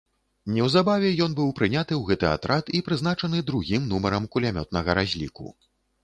Неўзабаве ён быў прыняты ў гэты атрад і прызначаны другім нумарам кулямётнага разліку.